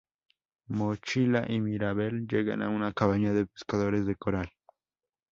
Mochila y Mirabel llegan a una cabaña de pescadores de coral.